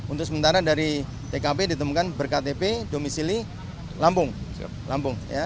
untuk sementara dari tkp ditemukan ber ktp domisili lampung